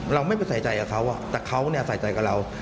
เราไม่ไปใส่ใจกับเขาแต่เขาใส่ใจกับเรา